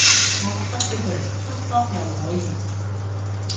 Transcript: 我覺得呢個人相當有可疑